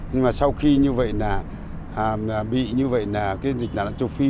nhưng mà sau khi như vậy bị như vậy dịch là châu phi